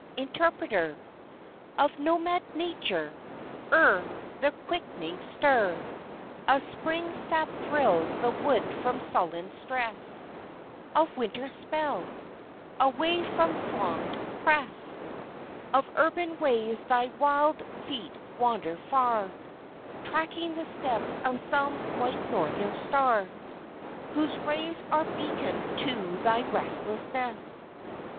Interpreter Of nomad Nature! Ere the quick'ning stir Of Spring sap thrills the wood from sullen stress Of Winter's spell away from throngèd press Of urban ways thy wild feet wander far Tracking the steps of some white Northern star Whose rays are beacon to thy restlessness.